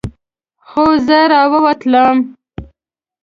خو زه راووتلم.